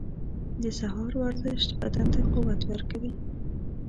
• د سهار ورزش بدن ته قوت ورکوي.